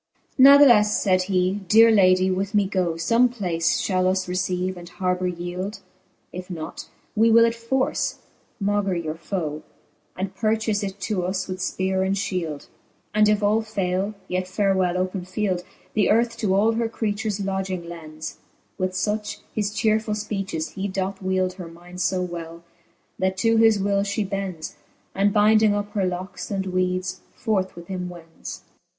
XXIV. NathlefTe i6o ^he fifth Eooke tf Canto X. XXIV. Nathleffe, faid he, deare ladie with me goe, Some place fhall us receive, and harbour yield : If not, we will it force, maugre your foe, And purchafe it to us with fpeare and fhield : And if all fayle, yet farewell open field : The earth to all her creatures lodging lends. With fuch his chearefull {peaches he doth wield Her mind fo well, that to his will fhe bends, And bynding up her locks and weeds, forth with him wends.